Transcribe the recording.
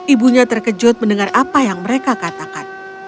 ibunya terkejut mendengar apa yang mereka katakan